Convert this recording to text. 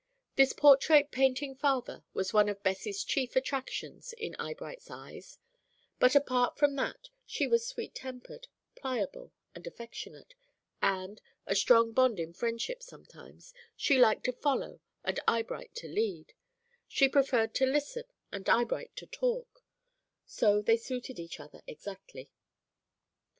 This portrait painting father was one of Bessie's chief attractions in Eyebright's eyes, but apart from that, she was sweet tempered, pliable, and affectionate, and a strong bond in friendship sometimes she liked to follow and Eyebright to lead; she preferred to listen and Eyebright to talk; so they suited each other exactly.